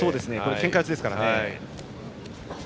けんか四つですからね。